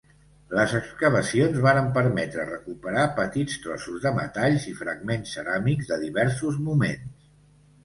Les excavacions varen permetre recuperar petits trossos de metalls i fragments ceràmics de diversos moments.